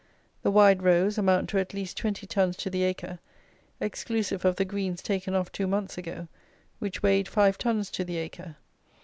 The wide rows amount to at least 20 tons to the acre, exclusive of the greens taken off two months ago, which weighed 5 tons to the acre.